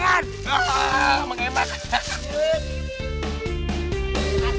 gak ada apa apa ya dong